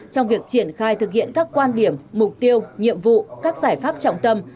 trong việc triển khai thực hiện các quan điểm mục tiêu nhiệm vụ các giải pháp trọng tâm